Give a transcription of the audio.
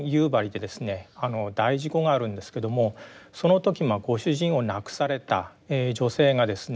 大事故があるんですけどもその時ご主人を亡くされた女性がですね